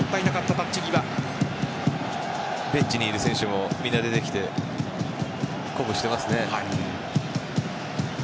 ベンチにいる選手もみんな出てきて鼓舞していますね。